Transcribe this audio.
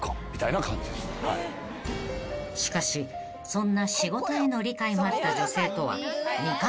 ［しかしそんな仕事への理解もあった女性とは］